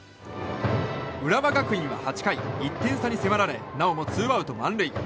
浦和学院は８回１点差に迫られなおもツーアウト満塁。